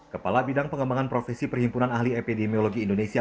kepala bidang pengembangan profesi perhimpunan ahli epidemiologi indonesia